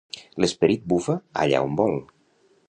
L'esperit bufa allà on vol.